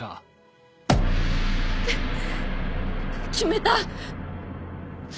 決めた！